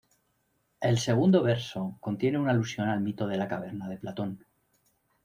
El segundo verso contiene una alusión al Mito de la caverna de Platón.